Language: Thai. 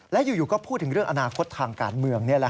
และอยู่ก็พูดถึงเรื่องอนาคตทางการเมือง